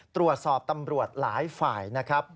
ตรวจสอบตำรวจหลายฝ่ายนะครับ